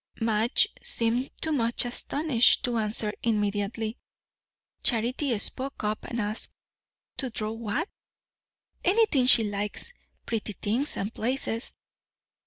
Madge seemed too much astonished to answer immediately. Charity spoke up and asked, "To draw what?" "Anything she likes. Pretty things, and places."